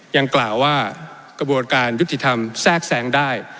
ยังกล่าวว่ากระบวนการยุติธรรมแทรกแทรงได้